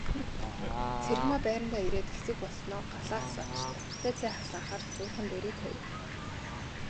Цэрэгмаа байрандаа ирээд хэсэг болсноо галаа асааж данхтай цай халаахаар зуухан дээрээ тавив.